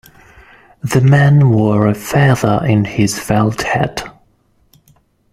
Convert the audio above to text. The man wore a feather in his felt hat.